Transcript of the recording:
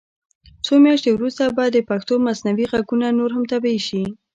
څو میاشتې وروسته به پښتو مصنوعي غږونه نور هم طبعي شي.